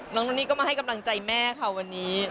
น้องนนนี่ก็มาให้กำลังใจแม่ค่ะวันนี้